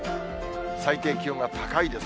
最低気温が高いです。